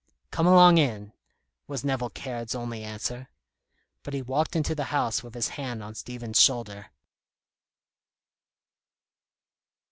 "Come along in," was Nevill Caird's only answer. But he walked into the house with his hand on Stephen's shoulder.